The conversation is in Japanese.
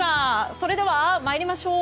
それでは参りましょう。